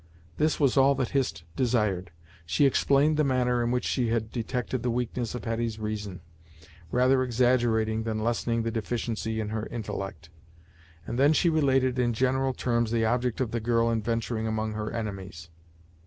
This was all that Hist desired. She explained the manner in which she had detected the weakness of Hetty's reason, rather exaggerating than lessening the deficiency in her intellect, and then she related in general terms the object of the girl in venturing among her enemies.